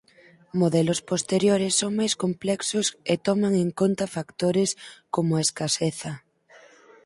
Modelos posteriores son máis complexos e toman en conta factores como a escaseza.